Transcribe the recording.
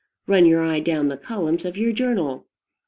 Run your eye down the columns of your journal.